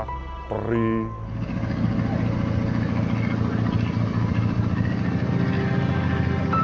tidak pernah mengajarkan dan tidak pernah